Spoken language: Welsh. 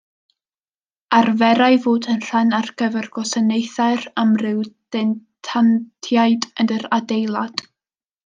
Arferai fod yn rhan ar gyfer gwasanaethau'r amryw denantiaid yn yr adeilad.